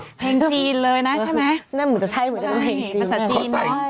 เพลงจีนเลยนะใช่ไหม